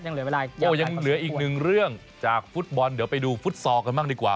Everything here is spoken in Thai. โอ้ยังเก่งอีกหนึ่งเรื่องจากฟุตบอลเดี๋ยวไปดูฟุตซอกันมากดีกว่า